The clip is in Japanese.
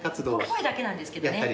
声だけなんですけどね。